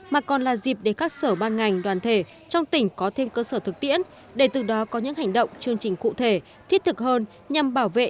mà còn là dịp để các sở ban ngành đoàn thể trong tỉnh có thêm cơ sở thực tiễn để từ đó có những hành động chương trình cụ thể thiết thực hơn nhằm bảo vệ